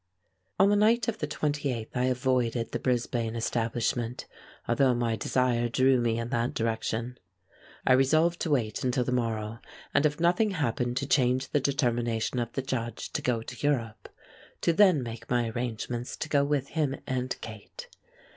On the night of the 28th I avoided the Brisbane establishment, although my desire drew me in that direction. I resolved to wait until the morrow, and if nothing happened to change the determination of the Judge to go to Europe, to then make my arrangements to go with him and Kate.